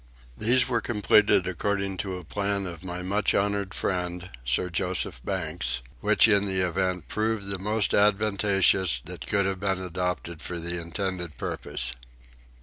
These were completed according to a plan of my much honoured friend, Sir Joseph Banks, which in the event proved the most advantageous that could have been adopted for the intended purpose.